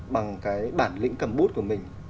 bằng cái bản lĩnh cầm bút của mình